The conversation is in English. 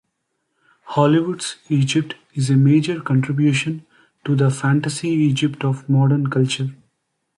Hollywood's Egypt is a major contributor to the fantasy Egypt of modern culture.